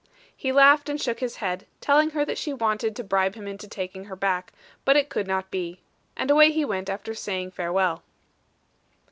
He laughed and shook his head, telling her that she wanted to bribe him into taking her back, but it could not be. And away he went, after saying farewell.